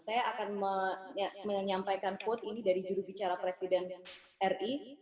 saya akan menyampaikan quote ini dari jurubicara presiden ri